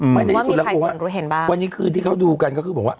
หรือว่ามีภัยส่วนรู้เห็นบ้างวันนี้คือที่เขาดูกันก็คือบอกว่า